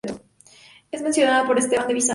Es mencionada por Esteban de Bizancio.